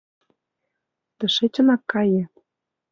Тышечынак кае!